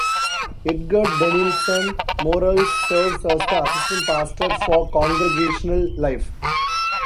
Edgard Danielsen-Morales serves as the Assistant Pastor for Congregational Life.